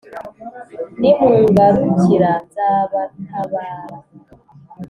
Nimungarukira nzabatabara